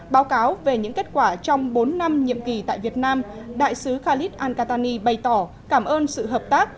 báo cáo về những kết quả trong bốn năm nhiệm kỳ tại việt nam đại sứ khalid ankatani bày tỏ cảm ơn sự hợp tác